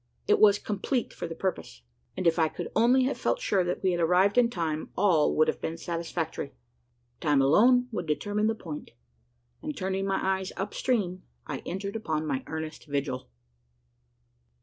It was complete for the purpose; and, if I could only have felt sure that we had arrived in time, all would have been satisfactory. Time alone would determine the point; and, turning my eyes up stream, I entered upon my earnest vigil.